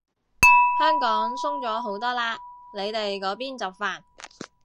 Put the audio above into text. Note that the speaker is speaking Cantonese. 香港鬆咗好多嘞，你哋嗰邊就煩